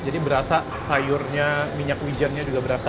jadi berasa sayurnya minyak hujannya juga berasa